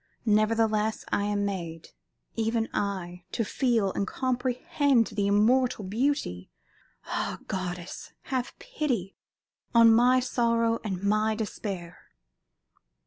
Nevertheless, I am made, even I, to feel and comprehend the immortal Beauty! Ah, goddess! have pity on my sorrow and my despair!"